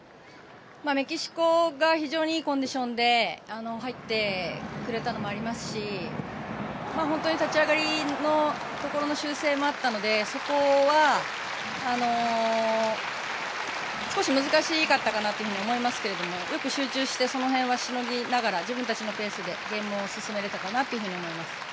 メキシコが非常にいいコンディションで入ってくれたのもありますし本当に立ち上がりのところの修正もあったのでそこは少し難しかったかなと思いますけどよく集中してその辺はしのぎながら自分たちのペースでゲームを進められたかなと思います。